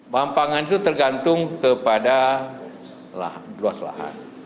mampangan itu tergantung kepada luas lahan